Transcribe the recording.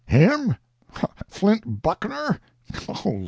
"Him? Flint Buckner?